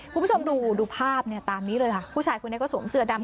คุณผู้ชมดูดูภาพเนี่ยตามนี้เลยค่ะผู้ชายคนนี้ก็สวมเสื้อดำ